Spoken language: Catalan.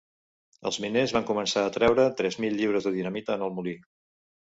Els miners van començar a treure tres mil lliures de dinamita en el molí.